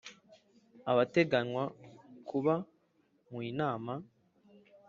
abateganywa kuba mu Inama